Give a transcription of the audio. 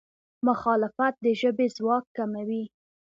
مخالفت د ژبې ځواک کموي.